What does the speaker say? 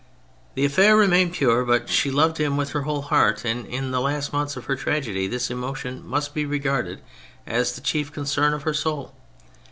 The affair remained pure, but she loved him with her whole heart, and in the last months of her tragedy this emotion must be regarded as the chief concern of her soul.